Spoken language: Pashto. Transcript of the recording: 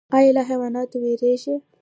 ایا له حیواناتو ویریږئ؟